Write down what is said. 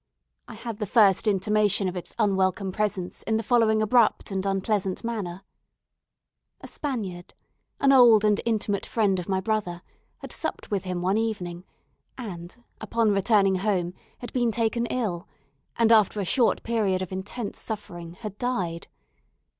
I had the first intimation of its unwelcome presence in the following abrupt and unpleasant manner: A Spaniard, an old and intimate friend of my brother, had supped with him one evening, and upon returning home had been taken ill, and after a short period of intense suffering had died.